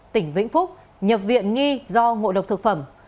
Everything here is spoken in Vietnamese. tỉnh vĩnh phúc nhập viện nghi do ngộ độc thực phẩm